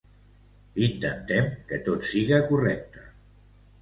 Intentem que tot siga correcte.